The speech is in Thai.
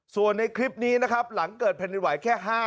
ส่วนในคลิปนี้นะครับหลังเกิดแผ่นดินไหวแค่๕๐